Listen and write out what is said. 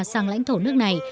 sang lãnh thổ nước này